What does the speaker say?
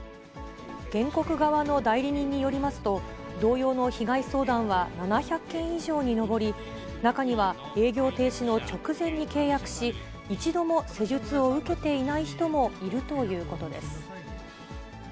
原告側の代理人によりますと、同様の被害相談は７００件以上に上り、中には、営業停止の直前に契約し、一度も施術を受けていない人もいるということです。